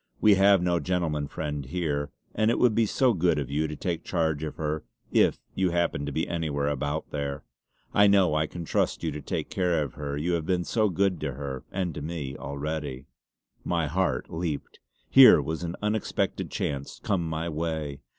We have no gentleman friend here, and it would be so good of you to take charge of her, if you happened to be anywhere about there. I know I can trust you to take care of her, you have been so good to her, and to me, already." My heart leaped. Here was an unexpected chance come my way.